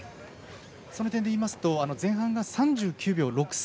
その点でいいますと前半が３９秒６３。